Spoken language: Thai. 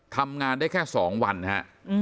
ทำงานได้แค่๒วันนะครับ